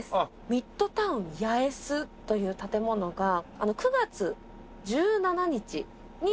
ミッドタウン八重洲という建物が９月１７日に。